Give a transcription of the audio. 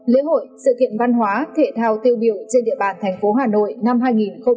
lễ hội sự kiện văn hóa thể thao tiêu biểu trên địa bàn thành phố hà nội năm hai nghìn hai mươi